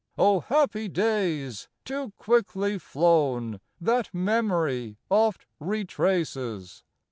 O happy days ! too quickly flown, That memory oft retraces